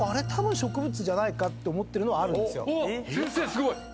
すごい！